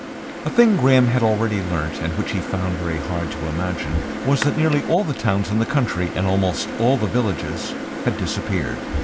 A thing Graham had already learnt, and which he found very hard to imagine, was that nearly all the towns in the country, and almost all the villages, had disappeared.